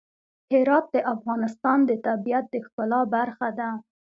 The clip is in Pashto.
هرات د افغانستان د طبیعت د ښکلا برخه ده.